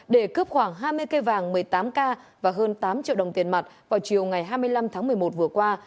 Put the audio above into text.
để cướp khoảng hai mươi cây vàng một mươi tám k và hơn tám triệu đồng tiền mặt vào chiều ngày hai mươi năm tháng một mươi một vừa qua